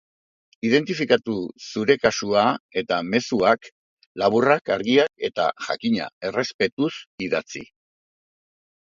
Identifikatu zure kasua eta mezuak laburrak, argiak eta, jakina, errespetuz idatzi.